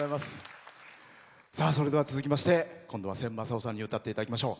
それでは、続きまして今度は千昌夫さんに歌っていただきましょう。